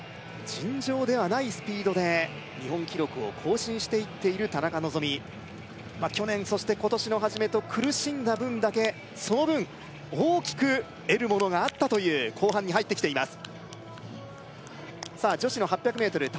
尋常ではないスピードで日本記録を更新していっている田中希実去年そして今年の初めと苦しんだ分だけその分大きく得るものがあったという後半に入ってきています